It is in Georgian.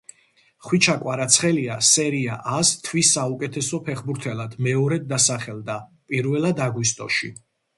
ხვიჩა კვარაცხელია სერია ა-ს თვის საუკეთესო ფეხბურთელად მეორედ დასახელდა პირველად აგვისტოში.